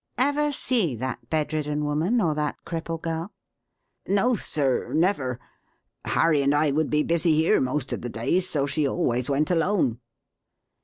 "Ever see that bedridden woman or that cripple girl?" "No, sir, never. Harry and I would be busy here most of the days, so she always went alone."